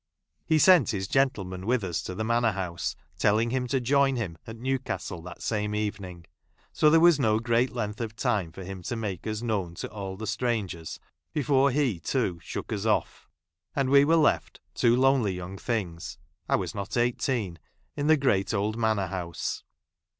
He sent his gentleman with us to the Manor House, telling him to join him at Newcastle that same evening ; so there was no great length of time for him to make us known to all the strangers before he, too, shook us off ; and we were left, two lonely young things (I was not eighteen), in the great old IManor House.